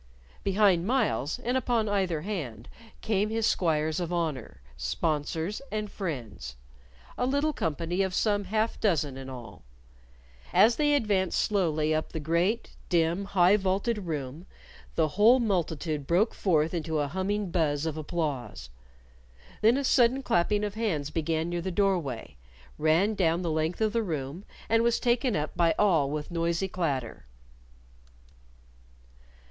Behind Myles, and upon either hand, came his squires of honor, sponsors, and friends a little company of some half dozen in all. As they advanced slowly up the great, dim, high vaulted room, the whole multitude broke forth into a humming buzz of applause. Then a sudden clapping of hands began near the door way, ran down through the length of the room, and was taken up by all with noisy clatter.